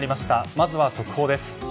まずは速報です。